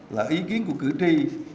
là ý kiến của cử tri